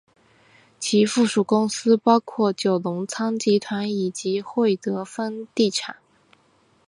其附属公司包括九龙仓集团以及会德丰地产。